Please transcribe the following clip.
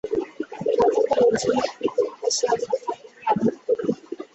গাঁ থেকে লোকজন নিয়ে ফিরতে ফিরতে শেয়াল যদি টানাটানি আরম্ভ করে দেয়?